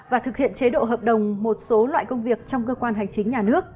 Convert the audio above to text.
và thực hiện chế độ hợp đồng một số loại công việc trong cơ quan hành chính nhà nước